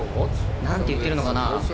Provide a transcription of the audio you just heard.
何て言ってるのかな。